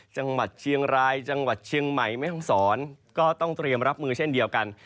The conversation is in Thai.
จังหวัดเชียงรายจังหวัดเชียงใหม่แม่ห้องศรก็ต้องเตรียมรับมือเช่นเดียวกัน